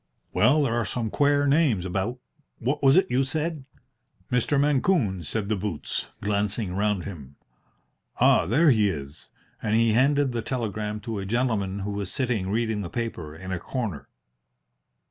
"Well, there are some quare names about. What was it you said?" "Mr. Mancune," said the boots, glancing round him. "Ah, there he is!" and he handed the telegram to a gentleman who was sitting reading the paper in a corner.